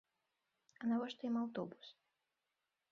А навошта ім аўтобус?